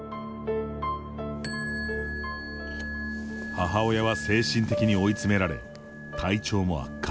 母親は精神的に追い詰められ体調も悪化。